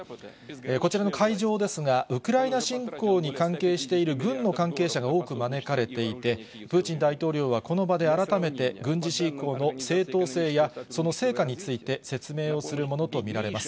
こちらの会場ですが、ウクライナ侵攻に関係している軍の関係者が多く招かれていて、プーチン大統領はこの場で改めて軍事侵攻の正当性やその成果について説明をするものと見られます。